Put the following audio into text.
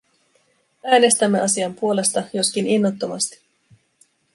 Äänestämme asian puolesta, joskin innottomasti.